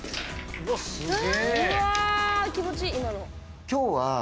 うわあ気持ちいい今の。